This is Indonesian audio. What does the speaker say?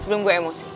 sebelum gue emosi